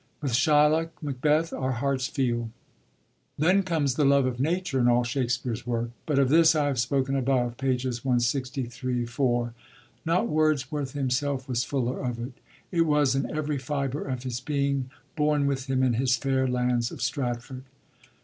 With Shylock, Macbeth, our hearts feel. Then comes the love of Nature in all Shakspere's work,— but of this I have spoken above, pp. 163 4; not Wordsworth himself was fuller of it : it was in every fibre of his being, bom with him in his fair lands of Stratford.